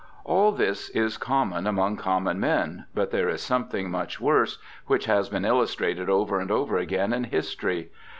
All this is common among common men, but there is something much worse which has been illustrated over and over again in history.